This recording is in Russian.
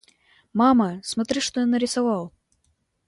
Мама, смотри что я нарисовал!